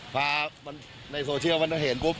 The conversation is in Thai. พอมันในโซเชียลมันเห็นปุ๊บ